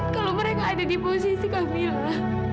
kalau mereka ada di posisi cafela